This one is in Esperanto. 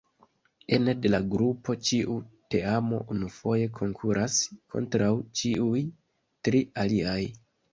Ene de la grupo ĉiu teamo unufoje konkuras kontraŭ ĉiuj tri aliaj.